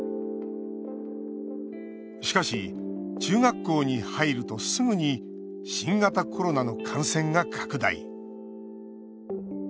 しかし、中学校に入るとすぐに新型コロナの感染が拡大。